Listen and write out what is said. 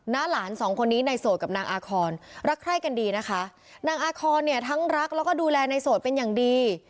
หลานสองคนนี้ในโสดกับนางอาคอนรักใคร่กันดีนะคะนางอาคอนเนี่ยทั้งรักแล้วก็ดูแลในโสดเป็นอย่างดี